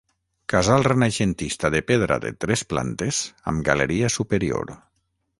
Casal renaixentista de pedra de tres plantes amb galeria superior.